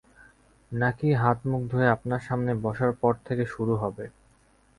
নাকি হাত-মুখ ধুয়ে আপনার সামনে বসার পর থেকে শুরু হবে?